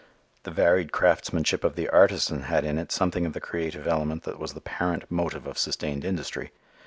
The varied craftsmanship of the artisan had in it something of the creative element that was the parent motive of sustained industry.